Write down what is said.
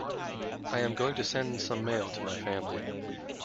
I am going to send some mail to my family.